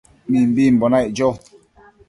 Mimbimbo naic cho